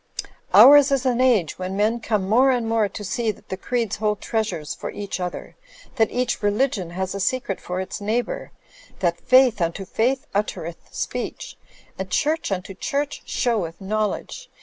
Ours is an age when men come more and more to see that the creeds hold treasures for each other, that each religion has a secret for its neighbour, that faith unto faith uttereth speech, and church tmto church showeth knowledge.